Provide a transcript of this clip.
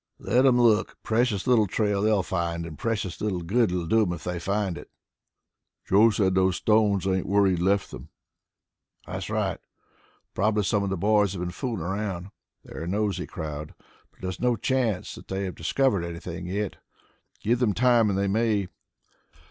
"Let 'em look. Precious little trail they'll find, and precious little good it'll do them if they do find it." "Joe said those stones weren't where he'd left them." "That's all right. Probably some of those boys have been fooling around here. They're a nosey crowd. But there's no chance that they have discovered anything yet. Give them time and they may.